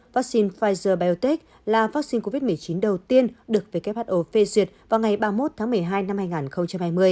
vaccine pfizer biotech là vaccine covid một mươi chín đầu tiên được who phê duyệt vào ngày ba mươi một tháng một mươi hai năm hai nghìn hai mươi